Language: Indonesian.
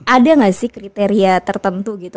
ada nggak sih kriteria tertentu gitu